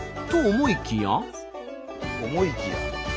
思いきや？